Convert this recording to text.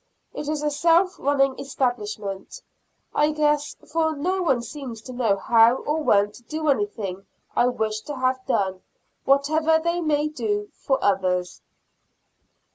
It is a self running establishment, I guess, for no one seems to know how or when to do anything I wish to have done, whatever they may do for others.